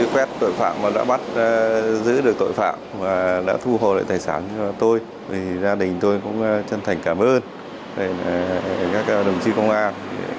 phép tội phạm đã bắt giữ được tội phạm và đã thu hồ lại tài sản cho tôi vì gia đình tôi cũng chân thành cảm ơn các đồng chí công an